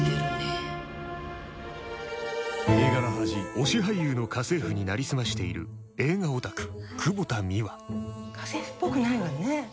推し俳優の家政婦になりすましている家政婦っぽくないわね。